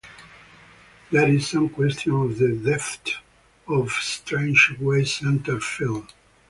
There is some question of the depth of straight-away center field.